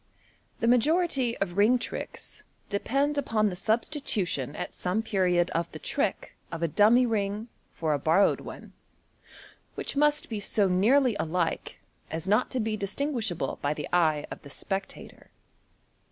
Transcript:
— The majority of ring tricks depend upon the substitution at some period of the trick of a dummy ring for a bor rowed one, which must be so nearly alike as not to be distinguish able by the eye of the spectator.